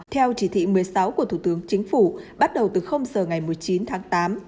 theo chỉ thị một mươi sáu của thủ tướng chính phủ bắt đầu từ giờ ngày một mươi chín tháng tám